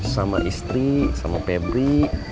sama istri sama febri